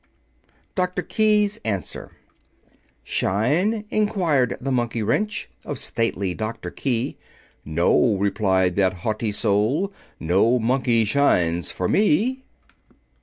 [Illustration: The Miser] DR. KEY'S ANSWER "Shine?" inquired the Monkey Wrench Of Stately Doctor Key; "No!" replied that haughty soul. "No Monkey shines for me."